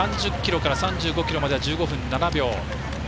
３０ｋｍから３５ｋｍまでは１５分７秒。